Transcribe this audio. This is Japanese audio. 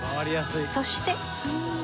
そして。